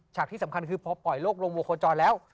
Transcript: ที่สำคัญคือพอปล่อยโลกลงวงโคจรแล้ว